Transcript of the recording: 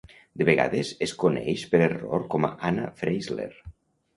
De vegades es coneix per error com Anna Freisler.